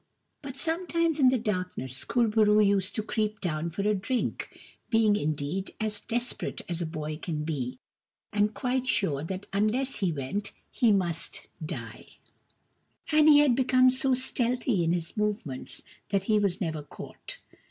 But sometimes in the darkness Kur bo roo used to creep down for a drink, being, indeed, as desperate as a boy can be, and quite sure that unless he went he must die ; and he had become so stealthy in his movements that he was never caught.